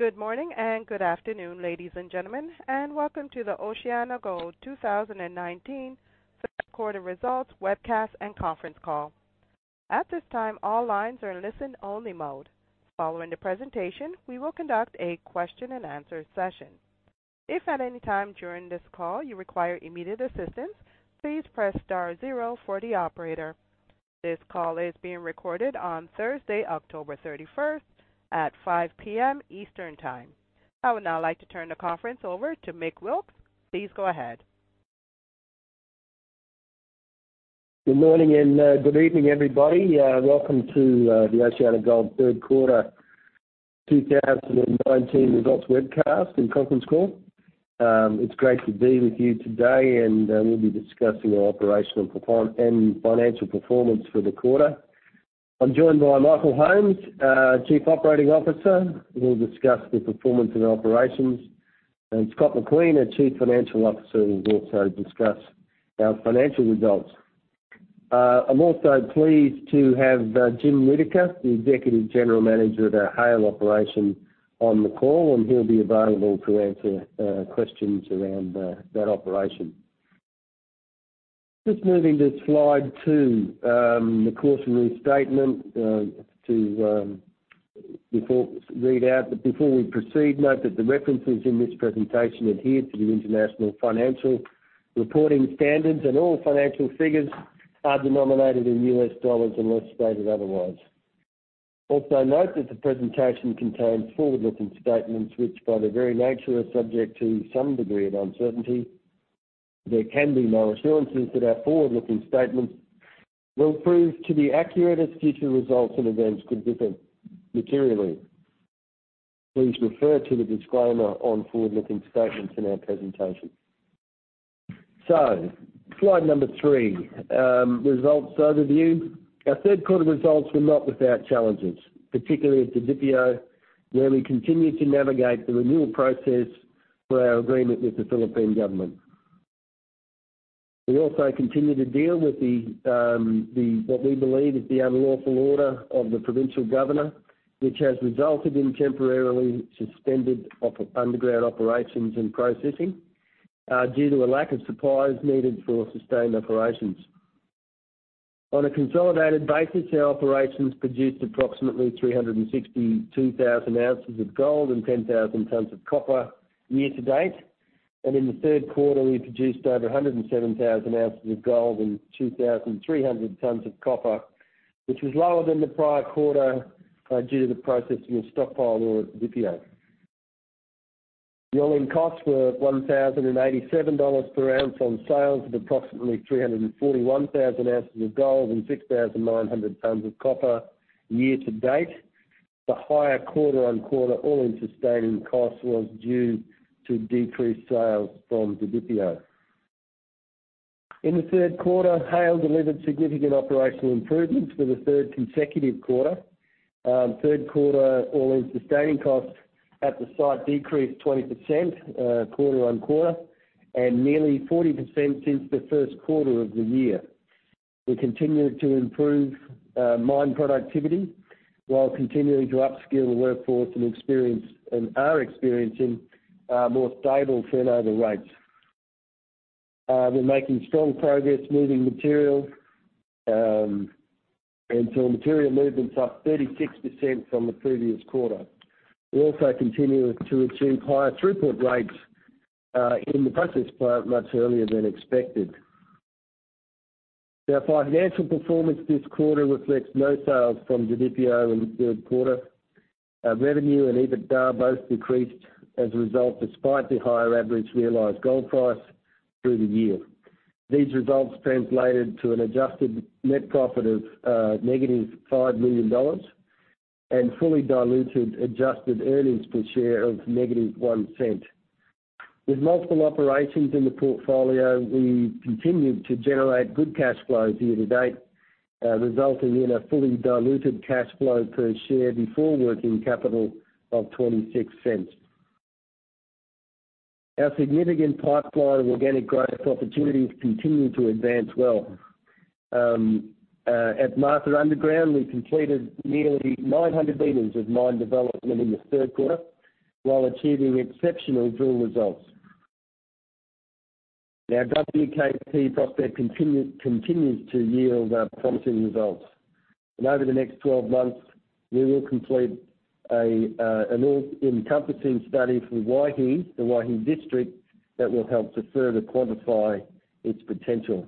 Good morning and good afternoon, ladies and gentlemen, and welcome to the OceanaGold 2019 third quarter results webcast and conference call. At this time, all lines are in listen only mode. Following the presentation, we will conduct a question and answer session. If at any time during this call you require immediate assistance, please press star zero for the operator. This call is being recorded on Thursday, October 31st at 5:00 P.M. Eastern Time. I would now like to turn the conference over to Mick Wilkes. Please go ahead. Good morning and good evening, everybody. Welcome to the OceanaGold third quarter 2019 results webcast and conference call. It's great to be with you today, and we'll be discussing our operational and financial performance for the quarter. I'm joined by Michael Holmes, Chief Operating Officer, who will discuss the performance of operations, and Scott McQueen, our Chief Financial Officer, will also discuss our financial results. I'm also pleased to have Jim Whittaker, the Executive General Manager of our Haile operation, on the call, and he'll be available to answer questions around that operation. Just moving to slide two, the cautionary statement to read out. Before we proceed, note that the references in this presentation adhere to the International Financial Reporting Standards, and all financial figures are denominated in U.S. dollars unless stated otherwise. Note that the presentation contains forward-looking statements which, by their very nature, are subject to some degree of uncertainty. There can be no assurances that our forward-looking statements will prove to be accurate as future results and events could differ materially. Please refer to the disclaimer on forward-looking statements in our presentation. Slide number three. Results overview. Our third quarter results were not without challenges, particularly at Didipio, where we continued to navigate the renewal process for our agreement with the Philippine government. We also continued to deal with what we believe is the unlawful order of the provincial governor, which has resulted in temporarily suspended underground operations and processing due to a lack of supplies needed for sustained operations. On a consolidated basis, our operations produced approximately 362,000 ounces of gold and 10,000 tons of copper year to date. In the third quarter, we produced over 107,000 ounces of gold and 2,300 tons of copper, which was lower than the prior quarter due to the processing of stockpile ore at Didipio. The all-in costs were $1,087 per ounce on sales of approximately 341,000 ounces of gold and 6,900 tons of copper year-to-date. The higher quarter-on-quarter all-in sustaining costs was due to decreased sales from Didipio. In the third quarter, Haile delivered significant operational improvements for the third consecutive quarter. Third quarter all-in sustaining costs at the site decreased 20% quarter-on-quarter and nearly 40% since the first quarter of the year. We continued to improve mine productivity while continuing to upskill the workforce and are experiencing more stable turnover rates. We're making strong progress moving material. Material movements are up 36% from the previous quarter. We also continue to achieve higher throughput rates in the process plant much earlier than expected. Financial performance this quarter reflects no sales from Didipio in the third quarter. Revenue and EBITDA both decreased as a result, despite the higher average realized gold price through the year. These results translated to an adjusted net profit of negative $5 million and fully diluted adjusted earnings per share of negative $0.01. With multiple operations in the portfolio, we continued to generate good cash flows year to date, resulting in a fully diluted cash flow per share before working capital of $0.26. Our significant pipeline of organic growth opportunities continued to advance well. At Martha Underground, we completed nearly 900 meters of mine development in the third quarter while achieving exceptional drill results. WKP prospect continues to yield promising results. Over the next 12 months, we will complete an all-encompassing study for Waihi, the Waihi district, that will help to further quantify its potential.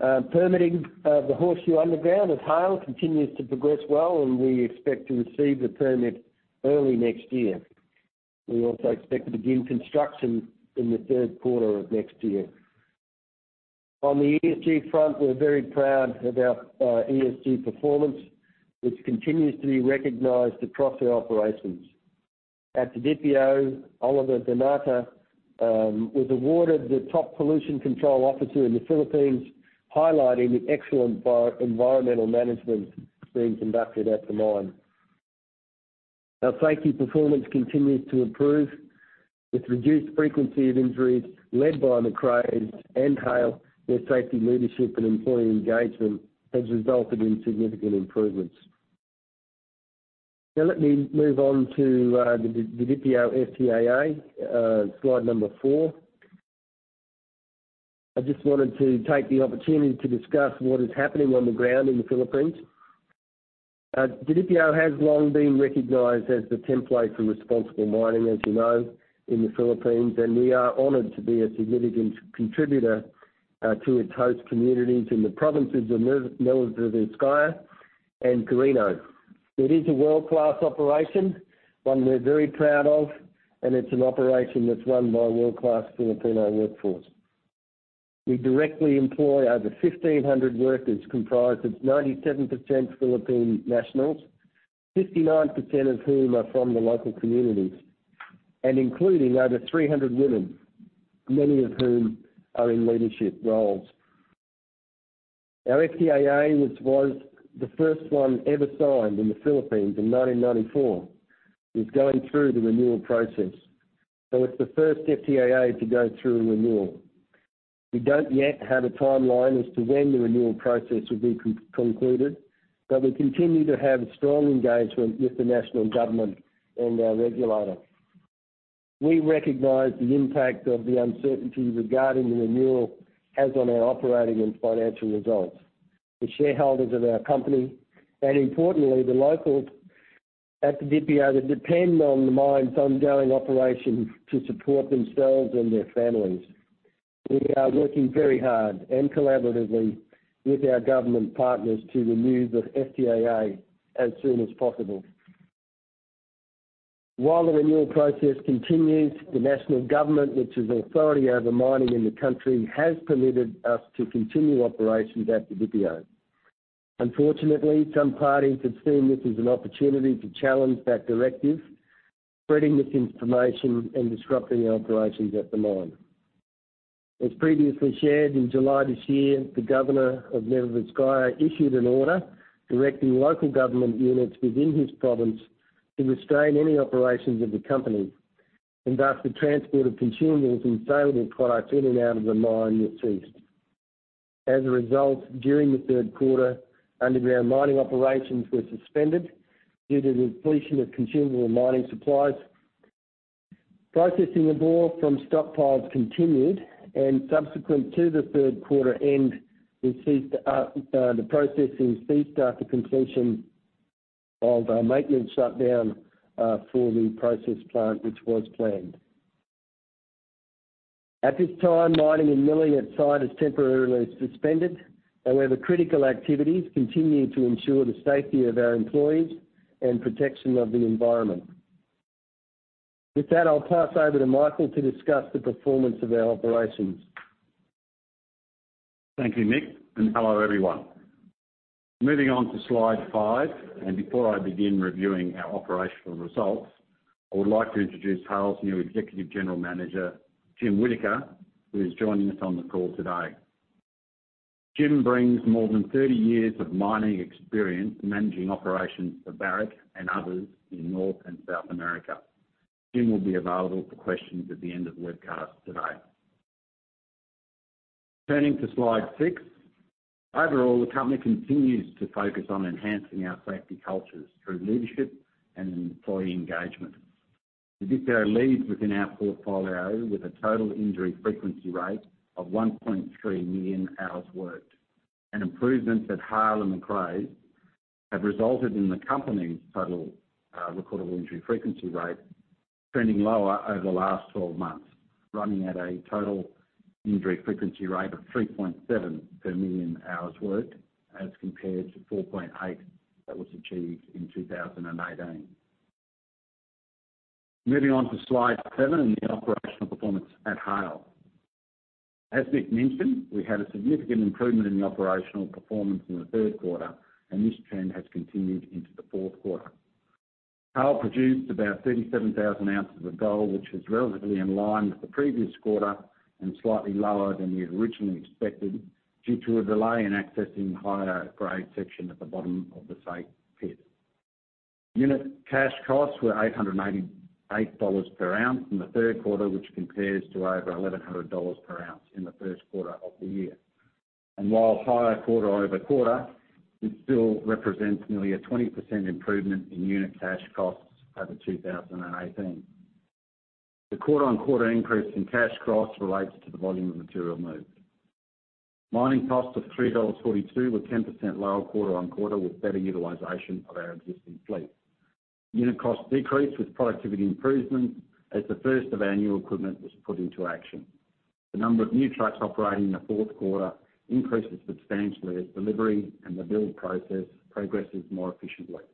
Permitting of the Horseshoe Underground at Haile continues to progress well, and we expect to receive the permit early next year. We also expect to begin construction in the third quarter of next year. On the ESG front, we're very proud of our ESG performance, which continues to be recognized across our operations. At Didipio, Oliver Donato was awarded the top pollution control officer in the Philippines, highlighting the excellent environmental management being conducted at the mine. Our safety performance continues to improve with reduced frequency of injuries led by Macraes and Haile, where safety leadership and employee engagement has resulted in significant improvements. Let me move on to the Didipio FTAA, slide number four. I just wanted to take the opportunity to discuss what is happening on the ground in the Philippines. Didipio has long been recognized as the template for responsible mining, as you know, in the Philippines, and we are honored to be a significant contributor to its host communities in the provinces of Nueva Vizcaya and Quirino. It is a world-class operation, one we're very proud of, and it's an operation that's run by a world-class Filipino workforce. We directly employ over 1,500 workers, comprised of 97% Philippine nationals, 59% of whom are from the local communities, and including over 300 women, many of whom are in leadership roles. Our FTAA, which was the first one ever signed in the Philippines in 1994, is going through the renewal process. It's the first FTAA to go through a renewal. We don't yet have a timeline as to when the renewal process will be concluded, but we continue to have strong engagement with the national government and our regulator. We recognize the impact of the uncertainty regarding the renewal has on our operating and financial results. The shareholders of our company, and importantly, the locals at Didipio that depend on the mine's ongoing operation to support themselves and their families. We are working very hard and collaboratively with our government partners to renew the FTAA as soon as possible. While the renewal process continues, the national government, which has authority over mining in the country, has permitted us to continue operations at Didipio. Unfortunately, some parties have seen this as an opportunity to challenge that directive, spreading misinformation and disrupting operations at the mine. As previously shared, in July this year, the governor of Nueva Vizcaya issued an order directing local government units within his province to restrain any operations of the company, thus the transport of consumables and saleable products in and out of the mine ceased. As a result, during the third quarter, underground mining operations were suspended due to depletion of consumable mining supplies. Processing of ore from stockpiles continued, subsequent to the third quarter end, the processing ceased after completion of a maintenance shutdown for the process plant, which was planned. At this time, mining and milling at site is temporarily suspended, where the critical activities continue to ensure the safety of our employees and protection of the environment. With that, I'll pass over to Michael to discuss the performance of our operations. Thank you, Mick, and hello, everyone. Moving on to slide five, and before I begin reviewing our operational results, I would like to introduce Haile's new Executive General Manager, Jim Whittaker, who is joining us on the call today. Jim brings more than 30 years of mining experience managing operations for Barrick and others in North and South America. Jim will be available for questions at the end of the webcast today. Turning to slide six. Overall, the company continues to focus on enhancing our safety cultures through leadership and employee engagement. Didipio leads within our portfolio with a total injury frequency rate of 1.3 million hours worked. Improvements at Haile and Macraes have resulted in the company's total recordable injury frequency rate trending lower over the last 12 months, running at a total injury frequency rate of 3.7 per million hours worked as compared to 4.8 that was achieved in 2018. Moving on to slide seven and the operational performance at Haile. As Mick mentioned, we had a significant improvement in the operational performance in the third quarter, and this trend has continued into the fourth quarter. Haile produced about 37,000 ounces of gold, which is relatively in line with the previous quarter and slightly lower than we had originally expected due to a delay in accessing higher-grade section at the bottom of the Snake Pit. Unit cash costs were $888 per ounce in the third quarter, which compares to over $1,100 per ounce in the first quarter of the year. While higher quarter-over-quarter, it still represents nearly a 20% improvement in unit cash costs over 2018. The quarter-on-quarter increase in cash costs relates to the volume of material moved. Mining costs of $3.42 were 10% lower quarter-on-quarter with better utilization of our existing fleet. Unit cost decreased with productivity improvements as the first of our new equipment was put into action. The number of new trucks operating in the fourth quarter increases substantially as delivery and the build process progresses more efficiently.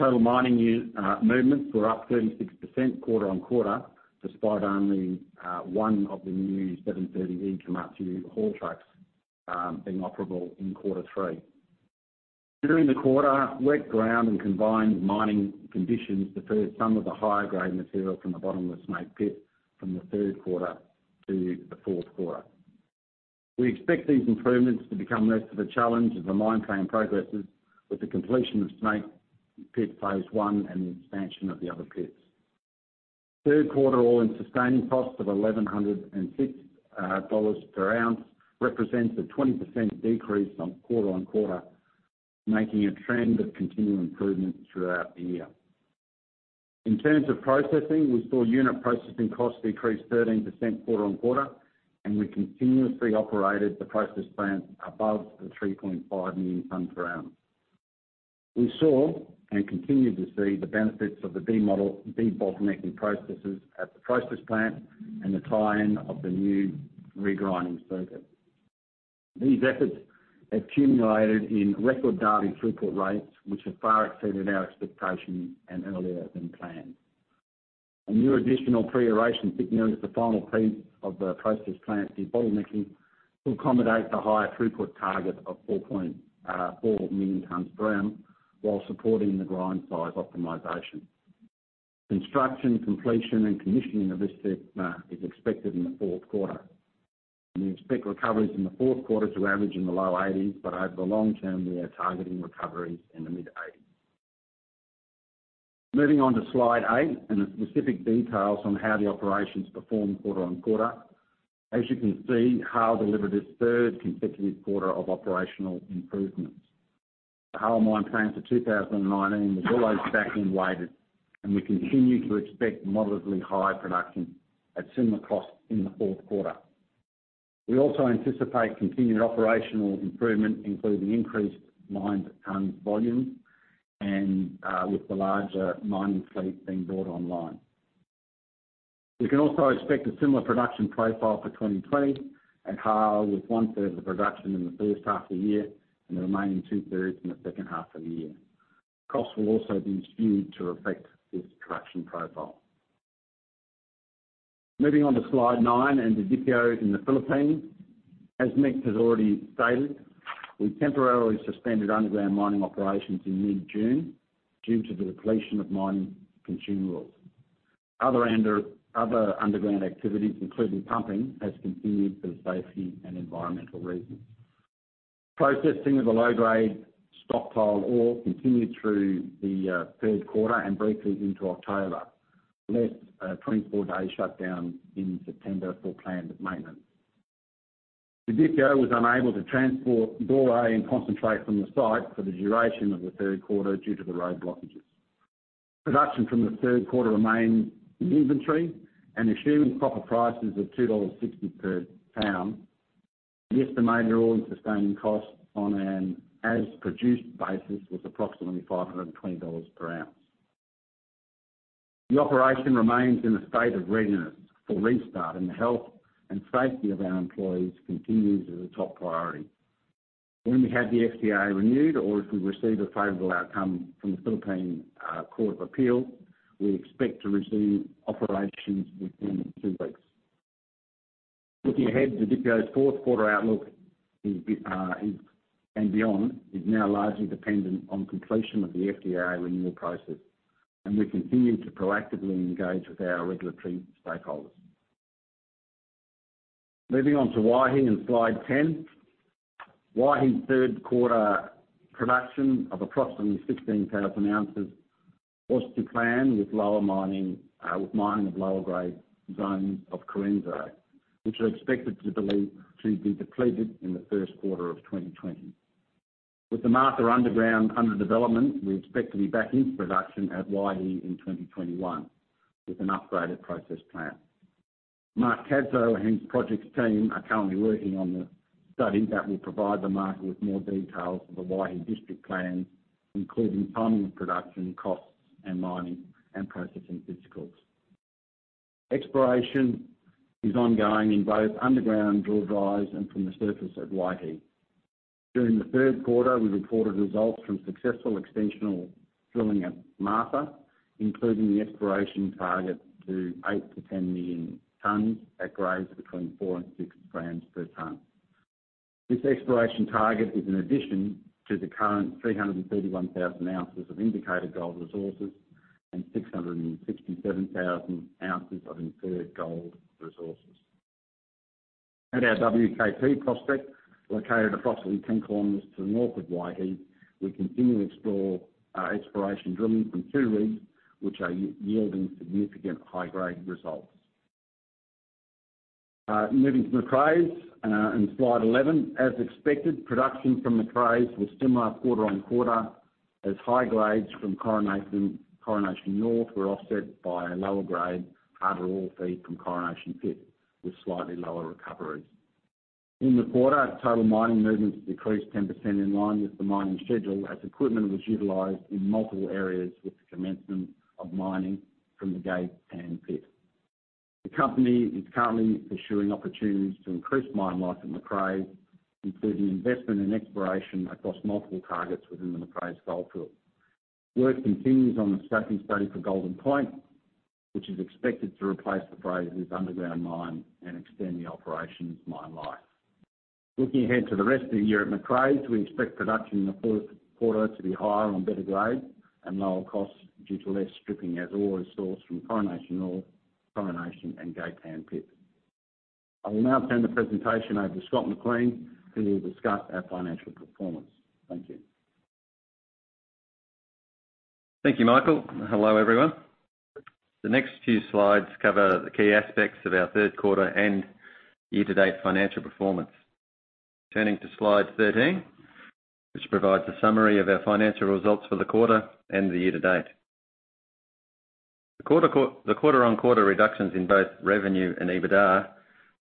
Total mining movements were up 36% quarter-on-quarter, despite only one of the new 730E Komatsu haul trucks being operable in quarter 3. During the quarter, wet ground and combined mining conditions deferred some of the higher-grade material from the bottom of the Snake Pit from the third quarter to the fourth quarter. We expect these improvements to become less of a challenge as the mine plan progresses with the completion of Snake Pit Phase 1 and the expansion of the other pits. Third quarter all-in sustaining costs of $1,106 per ounce represents a 20% decrease quarter-on-quarter, making a trend of continued improvement throughout the year. In terms of processing, we saw unit processing costs decrease 13% quarter-on-quarter, and we continuously operated the process plant above the 3.5 million tonnes per annum. We saw and continue to see the benefits of the debottlenecking processes at the process plant and the tie-in of the new regrinding circuit. These efforts accumulated in record daily throughput rates, which have far exceeded our expectations and earlier than planned. A new additional pre-aeration thickener is the final piece of the process plant debottlenecking to accommodate the higher throughput target of 4.4 million tonnes per annum while supporting the grind size optimization. Construction, completion, and commissioning of this thickener is expected in the fourth quarter. We expect recoveries in the fourth quarter to average in the low 80s, but over the long term, we are targeting recoveries in the mid-80s. Moving on to slide eight and the specific details on how the operations performed quarter-on-quarter. As you can see, Haile delivered its third consecutive quarter of operational improvements. The Haile mine plans for 2019 was always back-end weighted, and we continue to expect moderately high production at similar costs in the fourth quarter. We also anticipate continued operational improvement, including increased mined tonnes volume and with the larger mining fleet being brought online. We can also expect a similar production profile for 2020 at Haile, with one third of the production in the first half of the year and the remaining two-thirds in the second half of the year. Costs will also be skewed to reflect this production profile. Moving on to slide nine and Didipio in the Philippines. As Mick has already stated, we temporarily suspended underground mining operations in mid-June due to the depletion of mining consumables. Other underground activities, including pumping, has continued for safety and environmental reasons. Processing of the low-grade stockpile ore continued through the third quarter and briefly into October, less a 24-day shutdown in September for planned maintenance. Didipio was unable to transport ore and concentrate from the site for the duration of the third quarter due to the road blockages. Production from the third quarter remains in inventory, assuming copper prices of $2.60 per pound, the estimated all-in sustaining costs on an as-produced basis was approximately $520 per ounce. The operation remains in a state of readiness for restart, and the health and safety of our employees continues as a top priority. When we have the FTAA renewed or if we receive a favorable outcome from the Philippine Court of Appeals, we expect to resume operations within two weeks. Looking ahead, Didipio's fourth quarter outlook and beyond is now largely dependent on completion of the FTAA renewal process, we continue to proactively engage with our regulatory stakeholders. Moving on to Waihi in slide 10. Waihi's third quarter production of approximately 16,000 ounces was to plan, with mining of lower grade zones of Correnso, which are expected to be depleted in the first quarter of 2020. With the Martha underground under development, we expect to be back into production at Waihi in 2021 with an upgraded process plant. Mark Cadzow and his projects team are currently working on the study that will provide the market with more details of the Waihi district plan, including timing of production, costs, and mining and processing physicals. Exploration is ongoing in both underground drill drives and from the surface at Waihi. During the third quarter, we reported results from successful extensional drilling at Martha, including the exploration target to 8-10 million tonnes at grades between 4 and 6 grams per tonne. This exploration target is an addition to the current 331,000 ounces of indicated gold resources and 667,000 ounces of inferred gold resources. At our WKP prospect, located approximately 10 km to the north of Waihi, we continue to explore exploration drilling from two rigs, which are yielding significant high-grade results. Moving to Macraes in slide 11. As expected, production from Macraes was similar quarter-on-quarter, as high grades from Coronation North were offset by a lower grade, harder ore feed from Coronation Pit with slightly lower recoveries. In the quarter, total mining movements decreased 10% in line with the mining schedule, as equipment was utilized in multiple areas with the commencement of mining from the Gay Tan pit. The company is currently pursuing opportunities to increase mine life at Macraes, including investment in exploration across multiple targets within the Macraes gold field. Work continues on the scoping study for Golden Point, which is expected to replace the Frasers underground mine and extend the operation's mine life. Looking ahead to the rest of the year at Macraes, we expect production in the fourth quarter to be higher on better grades and lower costs due to less stripping as ore is sourced from Coronation North, Coronation and Gay Tan pit. I will now turn the presentation over to Scott McQueen, who will discuss our financial performance. Thank you. Thank you, Michael. Hello, everyone. The next few slides cover the key aspects of our third quarter and year-to-date financial performance. Turning to Slide 13, which provides a summary of our financial results for the quarter and the year-to-date. The quarter-on-quarter reductions in both revenue and EBITDA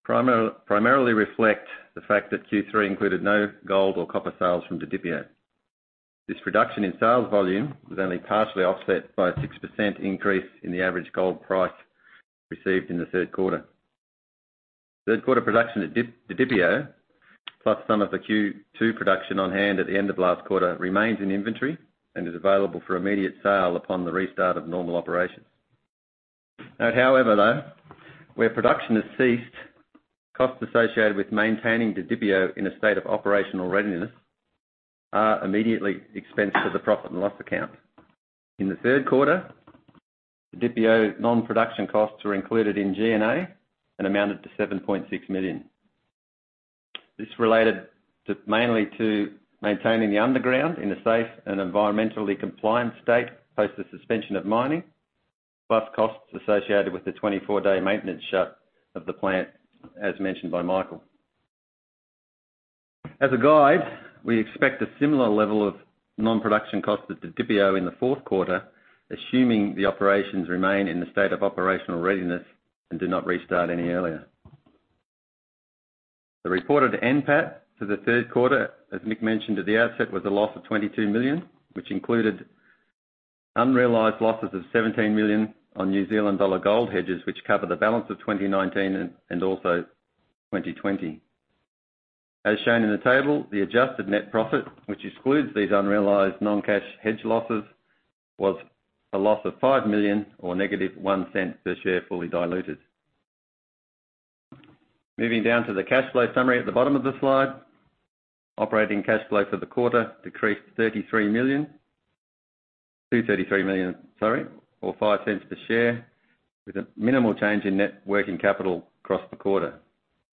primarily reflect the fact that Q3 included no gold or copper sales from Didipio. This reduction in sales volume was only partially offset by a 6% increase in the average gold price received in the third quarter. Third quarter production at Didipio, plus some of the Q2 production on hand at the end of last quarter, remains in inventory, and is available for immediate sale upon the restart of normal operations. Note however though, where production has ceased, costs associated with maintaining Didipio in a state of operational readiness are immediately expensed to the profit and loss account. In the third quarter, Didipio non-production costs were included in G&A and amounted to $7.6 million. This related mainly to maintaining the underground in a safe and environmentally compliant state post the suspension of mining, plus costs associated with the 24-day maintenance shut of the plant, as mentioned by Michael. As a guide, we expect a similar level of non-production costs at Didipio in the fourth quarter, assuming the operations remain in the state of operational readiness and do not restart any earlier. The reported NPAT for the third quarter, as Mick mentioned at the outset, was a loss of $22 million, which included unrealized losses of 17 million on New Zealand dollar gold hedges, which cover the balance of 2019 and also 2020. As shown in the table, the adjusted net profit, which excludes these unrealized non-cash hedge losses, was a loss of $5 million or negative $0.01 per share, fully diluted. Moving down to the cash flow summary at the bottom of the slide. Operating cash flow for the quarter decreased to $33 million, or $0.05 per share, with a minimal change in net working capital across the quarter.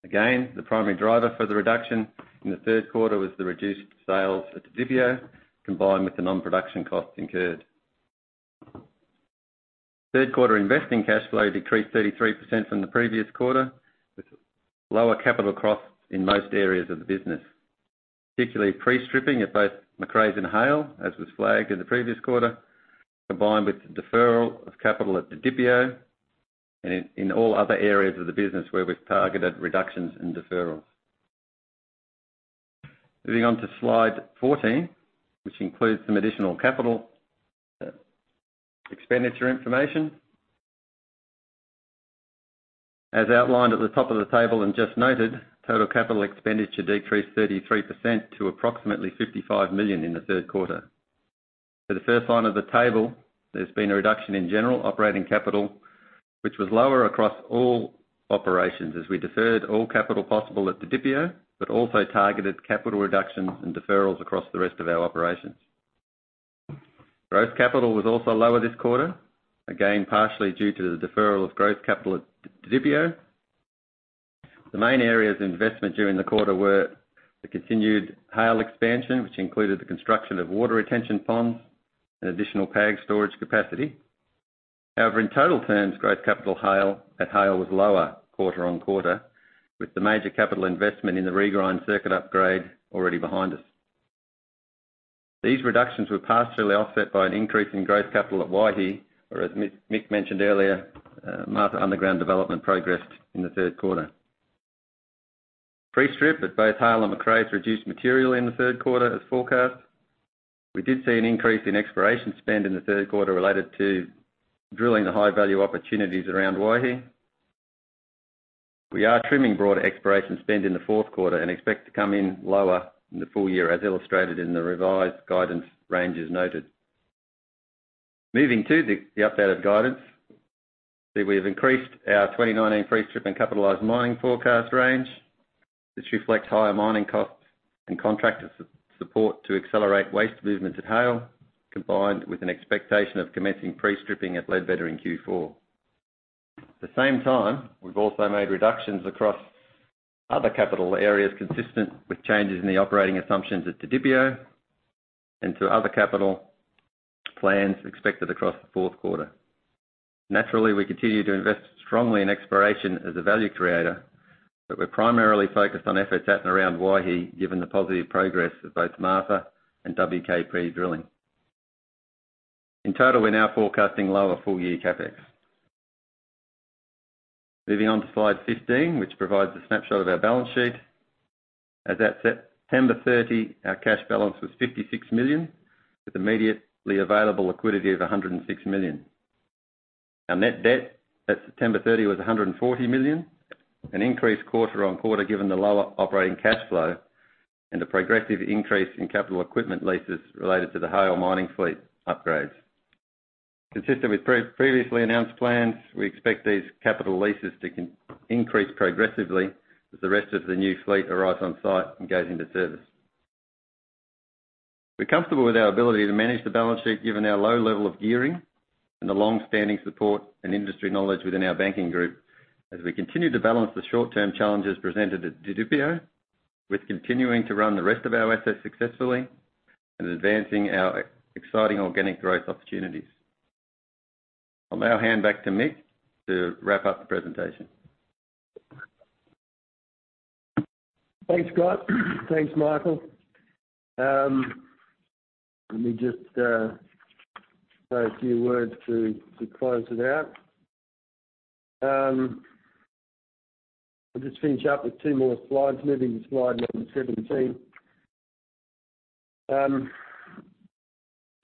Again, the primary driver for the reduction in the third quarter was the reduced sales at Didipio, combined with the non-production costs incurred. Third quarter investing cash flow decreased 33% from the previous quarter, with lower capital costs in most areas of the business, particularly pre-stripping at both Macraes and Haile, as was flagged in the previous quarter, combined with the deferral of capital at Didipio and in all other areas of the business where we've targeted reductions and deferrals. Moving on to Slide 14, which includes some additional capital expenditure information. As outlined at the top of the table and just noted, total capital expenditure decreased 33% to approximately $55 million in the third quarter. For the first line of the table, there's been a reduction in general operating capital, which was lower across all operations as we deferred all capital possible at Didipio, also targeted capital reductions and deferrals across the rest of our operations. Growth capital was also lower this quarter, again, partially due to the deferral of growth capital at Didipio. The main areas of investment during the quarter were the continued Haile expansion, which included the construction of water retention ponds and additional PAG storage capacity. In total terms, growth capital at Haile was lower quarter-on-quarter, with the major capital investment in the regrind circuit upgrade already behind us. These reductions were partially offset by an increase in growth capital at Waihi, where, as Mick mentioned earlier, Martha underground development progressed in the third quarter. Pre-strip at both Haile and Macraes reduced material in the third quarter as forecast. We did see an increase in exploration spend in the third quarter related to drilling the high-value opportunities around Waihi. We are trimming broader exploration spend in the fourth quarter and expect to come in lower in the full year, as illustrated in the revised guidance ranges noted. Moving to the updated guidance. See we have increased our 2019 pre-strip and capitalized mining forecast range. This reflects higher mining costs and contracted support to accelerate waste movements at Haile, combined with an expectation of commencing pre-stripping at Ledbetter in Q4. At the same time, we've also made reductions across other capital areas consistent with changes in the operating assumptions at Didipio and to other capital plans expected across the fourth quarter. Naturally, we continue to invest strongly in exploration as a value creator, but we're primarily focused on efforts at and around Waihi, given the positive progress of both Martha and WKP drilling. In total, we're now forecasting lower full-year CapEx. Moving on to Slide 15, which provides a snapshot of our balance sheet. As at September 30, our cash balance was $56 million, with immediately available liquidity of $106 million. Our net debt at September 30 was $140 million, an increase quarter on quarter given the lower operating cash flow and the progressive increase in capital equipment leases related to the Haile mining fleet upgrades. Consistent with previously announced plans, we expect these capital leases to increase progressively as the rest of the new fleet arrives on site and goes into service. We're comfortable with our ability to manage the balance sheet given our low level of gearing and the long-standing support and industry knowledge within our banking group as we continue to balance the short-term challenges presented at Didipio, with continuing to run the rest of our assets successfully and advancing our exciting organic growth opportunities. I'll now hand back to Mick to wrap up the presentation. Thanks, Scott. Thanks, Michael. Let me just say a few words to close it out. I'll just finish up with two more slides, moving to slide number 17.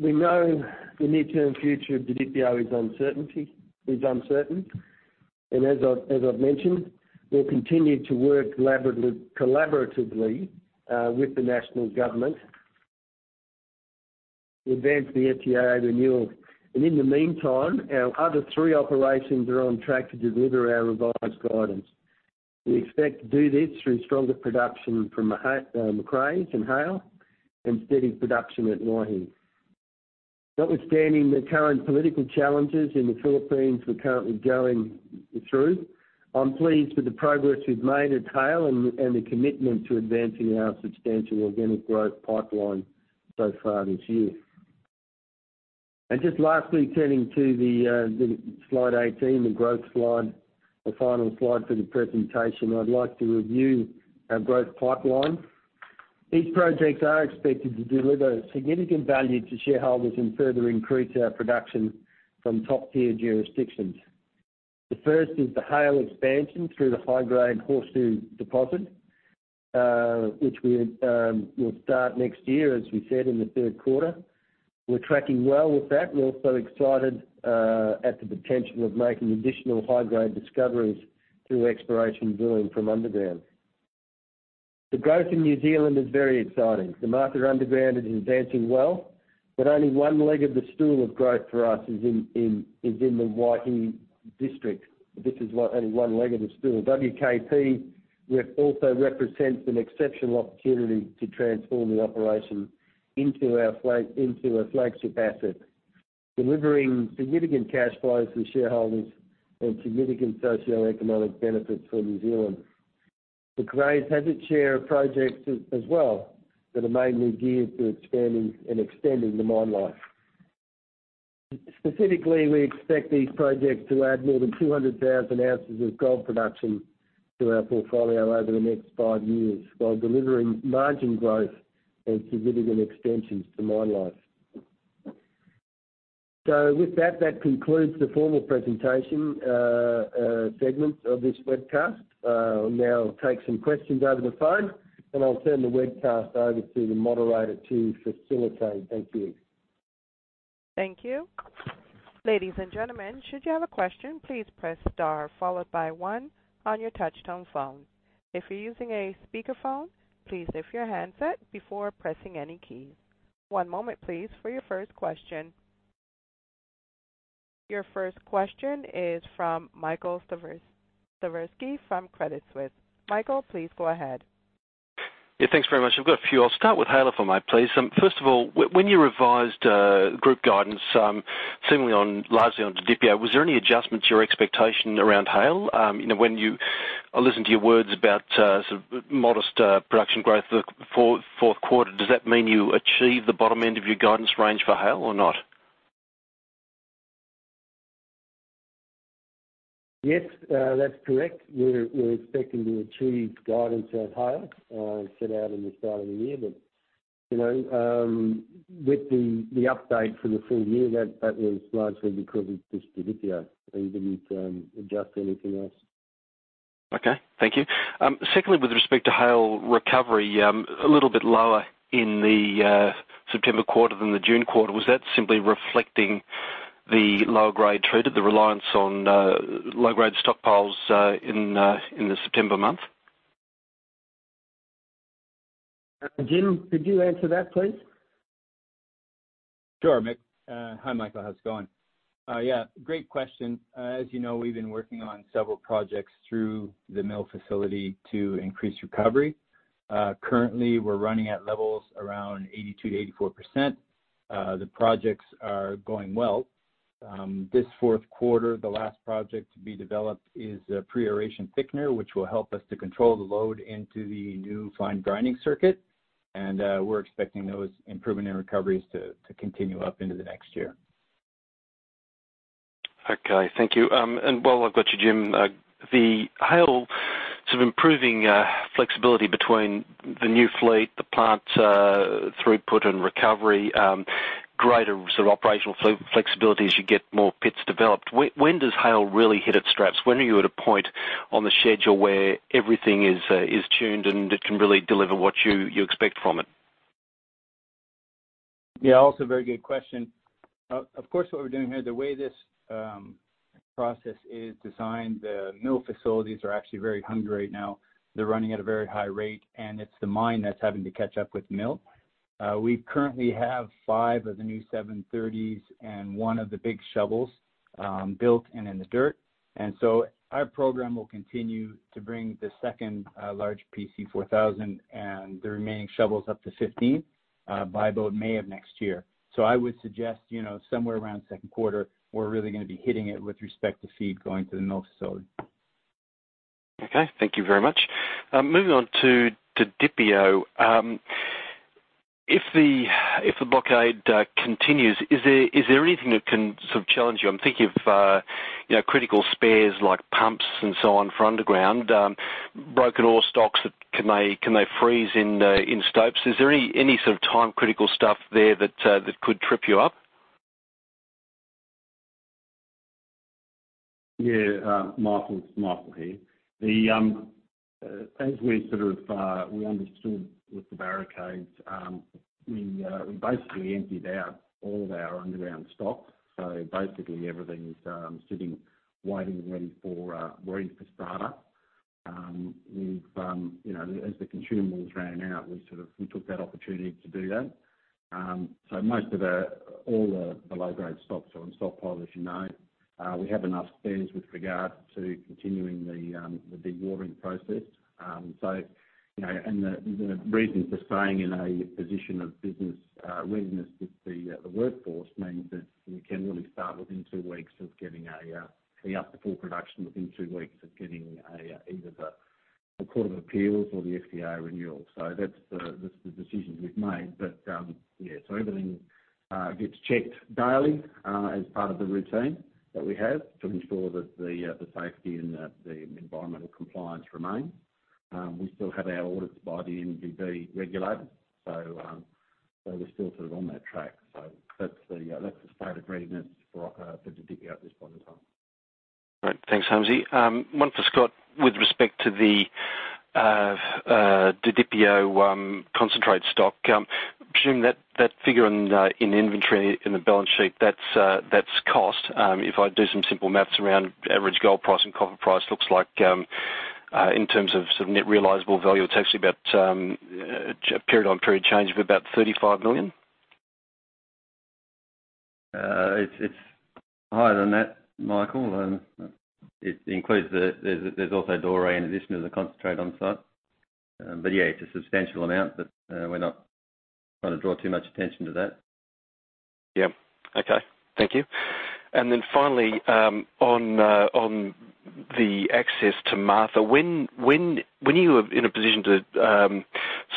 We know the near-term future of Didipio is uncertain. As I've mentioned, we'll continue to work collaboratively with the national government to advance the FTAA renewal. In the meantime, our other three operations are on track to deliver our revised guidance. We expect to do this through stronger production from Macraes and Haile and steady production at Waihi. Notwithstanding the current political challenges in the Philippines we're currently going through, I'm pleased with the progress we've made at Haile and the commitment to advancing our substantial organic growth pipeline so far this year. Just lastly, turning to slide 18, the growth slide, the final slide for the presentation. I'd like to review our growth pipeline. These projects are expected to deliver significant value to shareholders and further increase our production from top-tier jurisdictions. The first is the Haile expansion through the high-grade Horseshoe deposit which we'll start next year, as we said, in the third quarter. We're tracking well with that. We're also excited at the potential of making additional high-grade discoveries through exploration drilling from underground. The growth in New Zealand is very exciting. The Martha underground is advancing well, but only one leg of the stool of growth for us is in the Waihi district. This is only one leg of the stool. WKP also represents an exceptional opportunity to transform the operation into a flagship asset, delivering significant cash flows for shareholders and significant socioeconomic benefits for New Zealand. Macraes has its share of projects as well that are mainly geared to expanding and extending the mine life. Specifically, we expect these projects to add more than 200,000 ounces of gold production to our portfolio over the next five years while delivering margin growth and significant extensions to mine life. With that concludes the formal presentation segment of this webcast. I'll now take some questions over the phone, and I'll turn the webcast over to the moderator to facilitate. Thank you. Thank you. Ladies and gentlemen, should you have a question, please press star followed by one on your touch-tone phone. If you're using a speakerphone, please lift your handset before pressing any keys. One moment, please, for your first question. Your first question is from Michael Slifirski from Credit Suisse. Michael, please go ahead. Yeah, thanks very much. I've got a few. I'll start with Haile, if I may, please. First of all, when you revised group guidance, seemingly largely on Didipio, was there any adjustment to your expectation around Haile? When I listen to your words about modest production growth for fourth quarter. Does that mean you achieve the bottom end of your guidance range for Haile or not? Yes, that's correct. We're expecting to achieve guidance at Haile set out in the start of the year. With the update for the full year, that was largely because of just Didipio. We didn't adjust anything else. Okay. Thank you. Secondly, with respect to Haile recovery, a little bit lower in the September quarter than the June quarter. Was that simply reflecting the lower grade treated, the reliance on low-grade stockpiles in the September month? Jim, could you answer that, please? Sure, Mick. Hi, Michael. How's it going? Yeah, great question. As you know, we've been working on several projects through the mill facility to increase recovery. Currently, we're running at levels around 82%-84%. The projects are going well. This fourth quarter, the last project to be developed is a pre-aeration thickener, which will help us to control the load into the new fine grinding circuit, and we're expecting those improvement in recoveries to continue up into the next year. Okay, thank you. While I've got you, Jim, the Haile sort of improving flexibility between the new fleet, the plant throughput and recovery, greater sort of operational flexibility as you get more pits developed. When does Haile really hit its straps? When are you at a point on the schedule where everything is tuned and it can really deliver what you expect from it? Yeah. Also, a very good question. Of course, what we're doing here, the way this process is designed. The mill facilities are actually very hungry right now. They're running at a very high rate, and it's the mine that's having to catch up with the mill. We currently have five of the new 730s and one of the big shovels built and in the dirt. Our program will continue to bring the second large PC4000 and the remaining shovels up to 15 by about May of next year. I would suggest, somewhere around second quarter, we're really going to be hitting it with respect to feed going to the mill facility. Okay. Thank you very much. Moving on to Didipio. If the blockade continues, is there anything that can sort of challenge you? I'm thinking of critical spares like pumps and so on, for underground. Broken ore stocks, can they freeze in stopes? Is there any sort of time-critical stuff there that could trip you up? Michael, it's Michael here. As we understood with the barricades, we basically emptied out all of our underground stock. Basically everything's sitting, waiting, and ready for startup. As the consumables ran out, we took that opportunity to do that. All the low-grade stocks are in stockpile, as you know. We have enough spares with regard to continuing the dewatering process. The reason for staying in a position of business readiness with the workforce means that we can really start within two weeks of getting up to full production, within two weeks of getting either the Court of Appeals or the SDA renewal. That's the decisions we've made. Everything gets checked daily, as part of the routine that we have, to ensure that the safety and the environmental compliance remain. We still have our audits by the MGB regulator, so we're still sort of on that track. That's the state of readiness for Didipio at this point in time. All right. Thanks, Hamsy. One for Scott, with respect to the Didipio concentrate stock. I presume that figure in the inventory, in the balance sheet, that's cost. If I do some simple math around average gold price and copper price, looks like in terms of net realizable value, it's actually about, period-on-period change of about $35 million. It's higher than that, Michael. There's also Dore in addition to the concentrate on site. Yeah, it's a substantial amount, but we're not trying to draw too much attention to that. Yeah. Okay. Thank you. Finally, on the access to Martha, when are you in a position to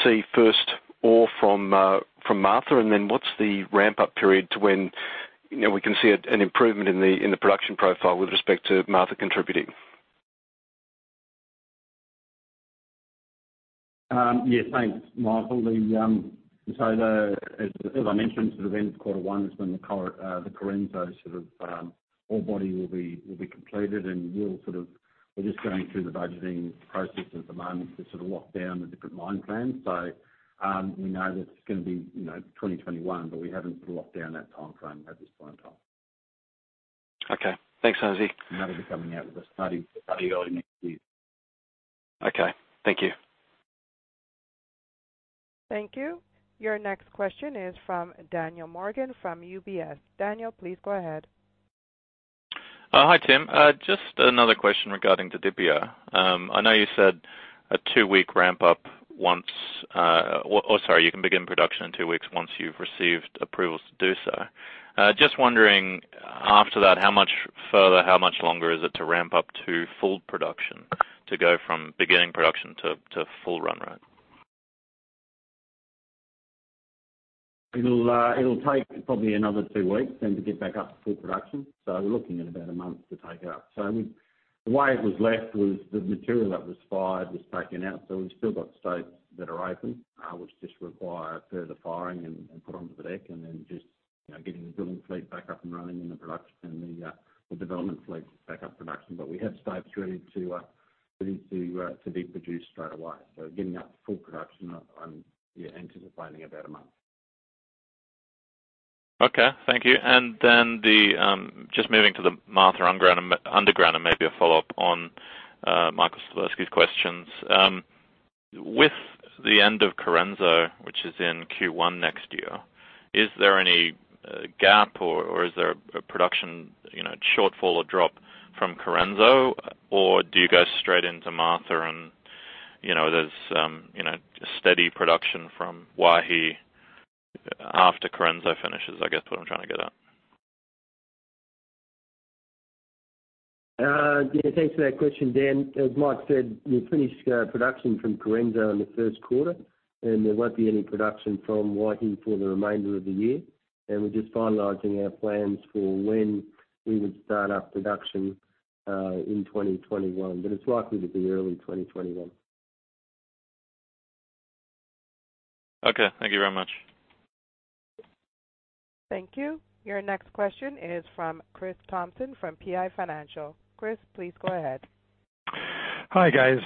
see first ore from Martha? What's the ramp-up period to when we can see an improvement in the production profile with respect to Martha contributing? Yeah. Thanks, Michael. As I mentioned, sort of end of quarter one is when the Correnso ore body will be completed, and we're just going through the budgeting process at the moment to lock down the different mine plans. We know that it's going to be 2021, but we haven't locked down that timeframe at this point in time. Okay, thanks, Hamsy. That'll be coming out with the study early next year. Okay, thank you. Thank you. Your next question is from Daniel Morgan from UBS. Daniel, please go ahead. Hi, Tim. Just another question regarding Didipio. I know you said a two-week ramp up once you can begin production in two weeks once you've received approvals to do so. Just wondering, after that, how much further, how much longer is it to ramp up to full production? To go from beginning production to full run rate? It'll take probably another two weeks then to get back up to full production. We're looking at about a month to take it up. The way it was left was the material that was fired was taken out, so we've still got stopes that are open, which just require further firing and put onto the deck and then just getting the drilling fleet back up and running and the development fleet back up to production. We have stopes ready to be produced straight away. Getting up to full production, I'm anticipating about a month. Okay, thank you. Just moving to the Martha underground and maybe a follow-up on Michael Slifirski's questions. With the end of Correnso, which is in Q1 next year, is there any gap or is there a production shortfall or drop from Correnso, or do you go straight into Martha and there's steady production from Waihi after Correnso finishes, I guess what I'm trying to get at? Thanks for that question, Dan. As Mike said, we finish production from Correnso in the first quarter. There won't be any production from Waihi for the remainder of the year. We're just finalizing our plans for when we would start up production in 2021. It's likely to be early 2021. Okay. Thank you very much. Thank you. Your next question is from Chris Thompson from PI Financial. Chris, please go ahead. Hi, guys.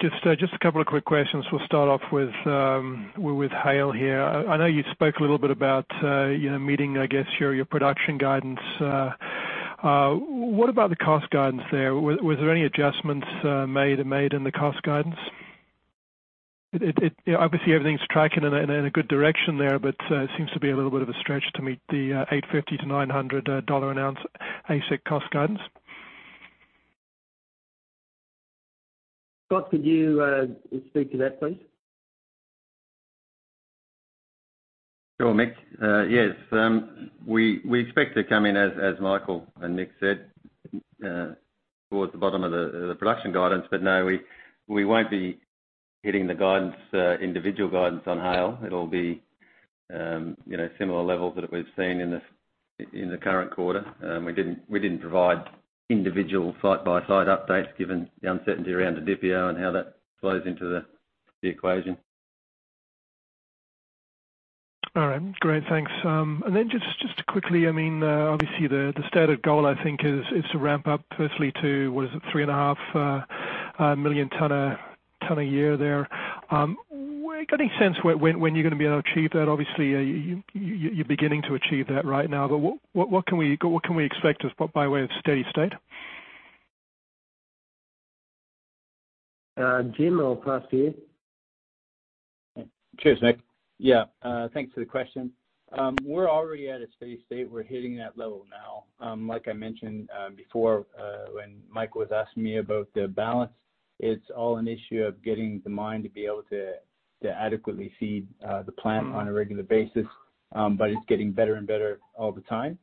Just a couple of quick questions. We'll start off with Haile here. I know you spoke a little bit about meeting, I guess, your production guidance. What about the cost guidance there? Was there any adjustments made in the cost guidance? Obviously, everything's tracking in a good direction there, but it seems to be a little bit of a stretch to meet the $850-$900 an ounce AISC cost guidance. Scott, could you speak to that, please? Sure, Mick. Yes. We expect to come in as Michael and Mick said, towards the bottom of the production guidance. No, we won't be hitting the individual guidance on Haile. It'll be similar levels that we've seen in the current quarter. We didn't provide individual site-by-site updates given the uncertainty around Didipio and how that flows into the equation. All right. Great. Thanks. Then just quickly, obviously, the stated goal I think is to ramp up firstly to, what is it, three and a half million ton a year there. Got any sense when you're going to be able to achieve that? Obviously, you're beginning to achieve that right now, but what can we expect by way of steady state? Jim, I'll pass to you. Cheers, Mick. Yeah. Thanks for the question. We're already at a steady state. We're hitting that level now. Like I mentioned before, when Mike was asking me about the balance, it's all an issue of getting the mine to be able to adequately feed the plant on a regular basis. It's getting better and better all the time.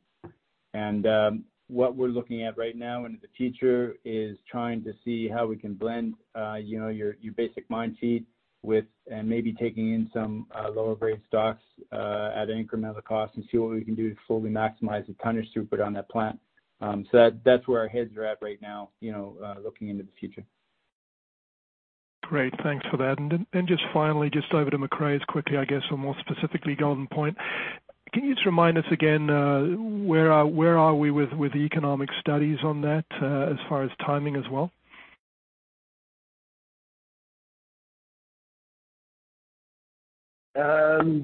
What we're looking at right now into the future is trying to see how we can blend your basic mine feed with, and maybe taking in some lower grade stocks at an incremental cost and see what we can do to fully maximize the tonnage through-put on that plant. That's where our heads are at right now looking into the future. Great, thanks for that. Just finally, just over to Macraes quickly, I guess, or more specifically, Golden Point. Can you just remind us again, where are we with the economic studies on that as far as timing as well? The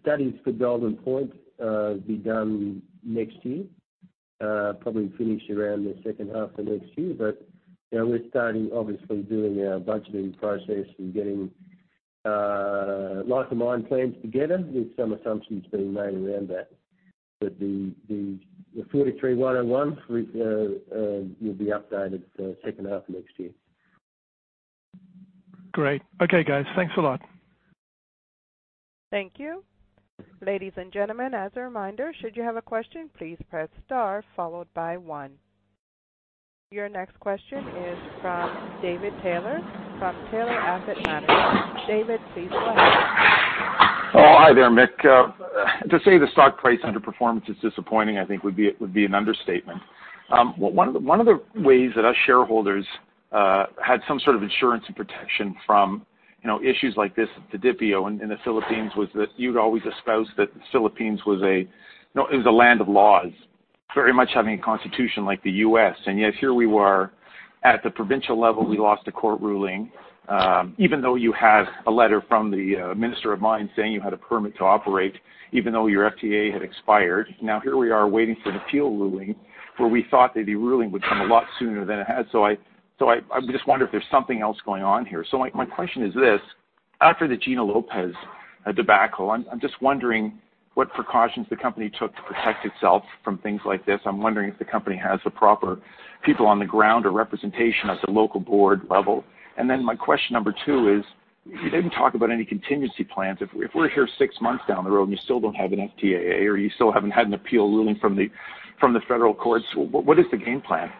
studies for Golden Point will be done next year. Probably finish around the second half of next year. We're starting obviously doing our budgeting process and getting life of mine plans together with some assumptions being made around that. The 43-101 will be updated second half of next year. Great. Okay, guys. Thanks a lot. Thank you. Ladies and gentlemen, as a reminder, should you have a question, please press star followed by one. Your next question is from David Taylor from Taylor Asset Management. David, please go ahead. Oh, hi there, Mick. To say the stock price underperformance is disappointing, I think would be an understatement. One of the ways that us shareholders had some sort of insurance and protection from issues like this at Didipio in the Philippines was that you'd always espouse that the Philippines was a land of laws, very much having a constitution like the U.S. Yet here we were at the provincial level, we lost a court ruling, even though you have a letter from the minister of mines saying you had a permit to operate, even though your FTAA had expired. Now, here we are waiting for an appeal ruling where we thought that the ruling would come a lot sooner than it has. I'm just wondering if there's something else going on here? My question is this, after the Gina Lopez debacle, I'm just wondering what precautions the company took to protect itself from things like this. I'm wondering if the company has the proper people on the ground or representation at the local board level. My question number two is, you didn't talk about any contingency plans. If we're here six months down the road and you still don't have an FTAA or you still haven't had an appeal ruling from the federal courts, what is the game plan?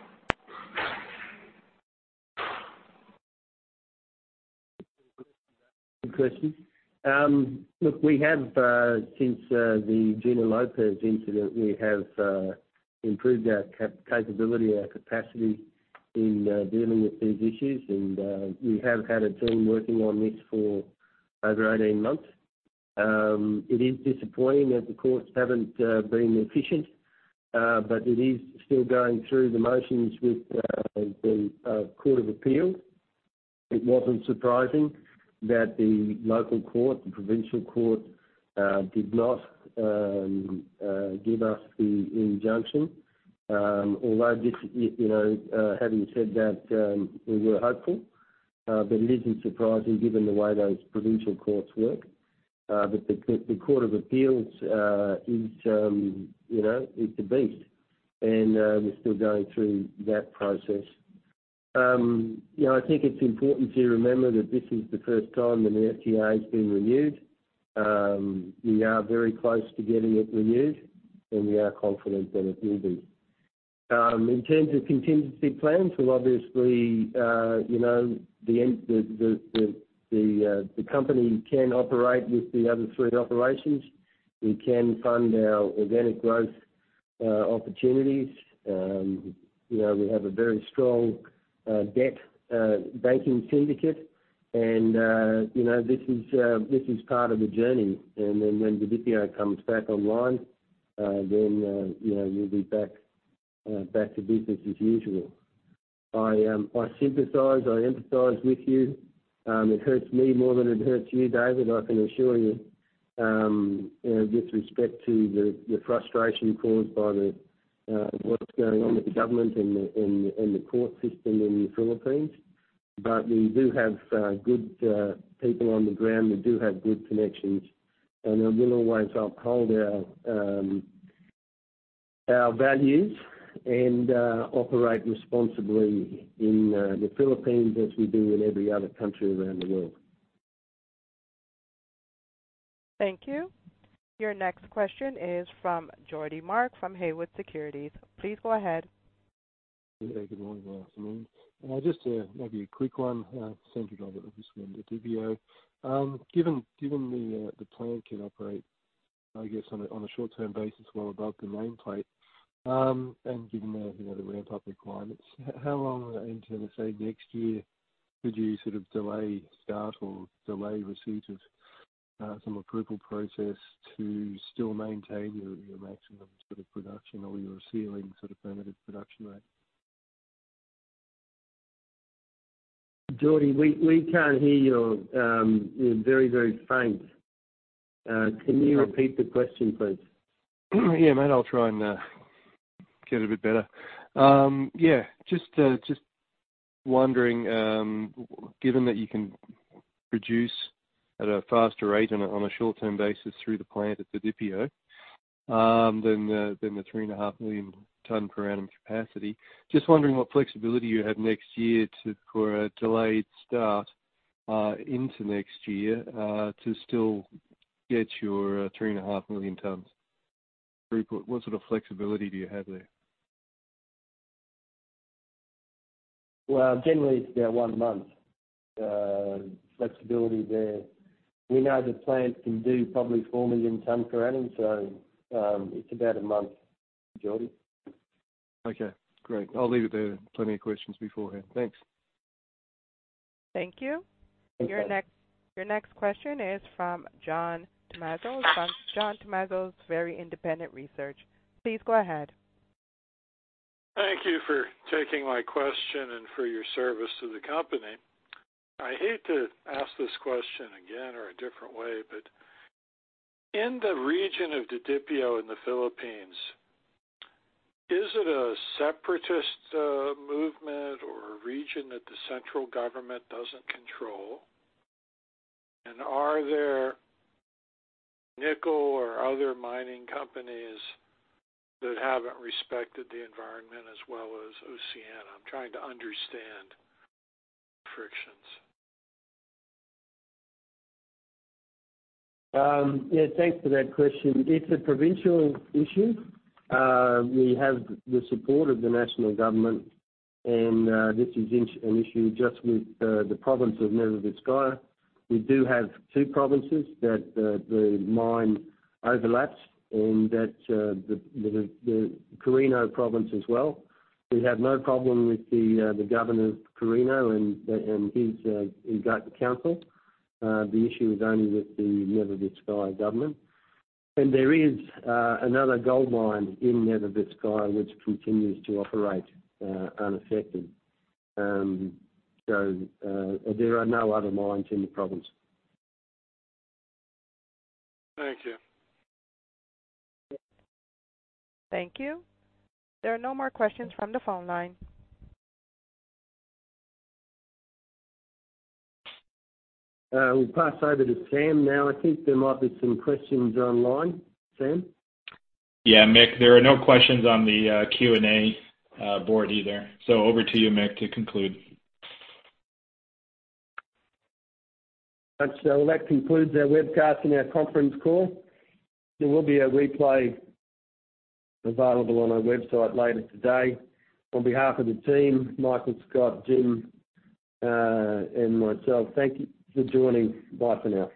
Good question. Look, since the Gina Lopez incident, we have improved our capability, our capacity in dealing with these issues. We have had a team working on this for over 18 months. It is disappointing that the courts haven't been efficient. It is still going through the motions with the Court of Appeals. It wasn't surprising that the local court, the provincial court, did not give us the injunction. Although, having said that, we were hopeful. It isn't surprising given the way those provincial courts work. The Court of Appeals is the beast. We're still going through that process. I think it's important to remember that this is the first time that an FTAA has been renewed. We are very close to getting it renewed, and we are confident that it will be. In terms of contingency plans, the company can operate with the other three operations. We can fund our organic growth opportunities. We have a very strong debt banking syndicate. This is part of the journey. When Didipio comes back online, then we'll be back to business as usual. I sympathize, I empathize with you. It hurts me more than it hurts you, David, I can assure you with respect to the frustration caused by what's going on with the government and the court system in the Philippines. We do have good people on the ground. We do have good connections, and we'll always uphold our values and operate responsibly in the Philippines as we do in every other country around the world. Thank you. Your next question is from Geordie Mark from Haywood Securities. Please go ahead. Yeah. Good morning or afternoon. Just maybe a quick one, centered on it, obviously, on Didipio. Given the plant can operate, I guess, on a short-term basis well above the nameplate, and given the ramp-up requirements, how long into, let's say, next year could you sort of delay start or delay receipt of some approval process to still maintain your maximum production or your ceiling sort of permitted production rate? Geordie, we can't hear you. You're very, very faint. Can you repeat the question, please? Mate, I'll try and get a bit better. Just wondering, given that you can produce at a faster rate on a short-term basis through the plant at Didipio than the 3.5 million ton per annum capacity, just wondering what flexibility you have next year for a delayed start into next year to still get your 3.5 million tons throughput. What sort of flexibility do you have there? Generally, it's about 1 month flexibility there. We know the plant can do probably 4 million tons per annum. It's about 1 month, Geordie. Okay, great. I'll leave it there. Plenty of questions beforehand. Thanks. Thank you. Okay. Your next question is from John Tumazos of John Tumazos Very Independent Research. Please go ahead. Thank you for taking my question and for your service to the company. I hate to ask this question again or a different way. In the region of Didipio in the Philippines, is it a separatist movement or a region that the central government doesn't control? Are there nickel or other mining companies that haven't respected the environment as well as OceanaGold? I'm trying to understand the frictions. Thanks for that question. It's a provincial issue. We have the support of the national government, this is an issue just with the province of Nueva Vizcaya. We do have two provinces that the mine overlaps and that's the Quirino province as well. We have no problem with the governor of Quirino and his council. The issue is only with the Nueva Vizcaya government. There is another gold mine in Nueva Vizcaya which continues to operate unaffected. There are no other mines in the province. Thank you. Thank you. There are no more questions from the phone line. We pass over to Sam now. I think there might be some questions online. Sam? Yeah, Mick, there are no questions on the Q&A board either. Over to you, Mick, to conclude. Thanks. That concludes our webcast and our conference call. There will be a replay available on our website later today. On behalf of the team, Michael, Scott, Jim, and myself, thank you for joining. Bye for now.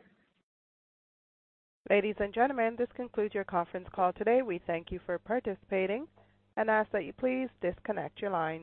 Ladies and gentlemen, this concludes your conference call today. We thank you for participating and ask that you please disconnect your lines.